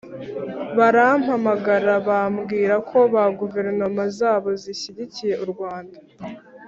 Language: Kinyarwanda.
barampamagara bambwira ko ba guverinoma zabo zishyigikiye u rwanda.